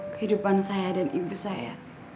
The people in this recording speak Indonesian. kehidupan saya dan ibu saya